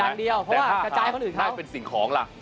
อย่างเดียวเพราะว่ากระจายคนอื่นเขาแต่ถ้าถ้าได้เป็นสิ่งของล่ะ